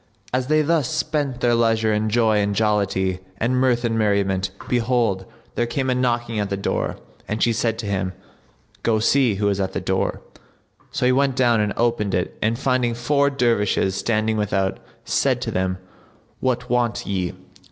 As they thus spent their leisure in joy and jollity and mirth and merriment, behold, there came a knocking at the door and she said to him; "Go see who is at the door." So he went down and opened it and finding four Dervishes standing without, said to them, "What want ye?"